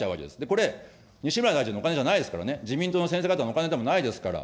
これ、西村大臣のお金じゃないですからね、自民党の先生方のお金でもないですから。